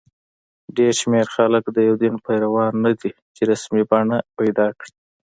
ډېر شمېر خلک د یو دین پیروان نه دي چې رسمي بڼه پیدا کړي.